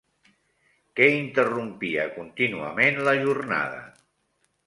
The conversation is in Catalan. Què interrompia contínuament la jornada?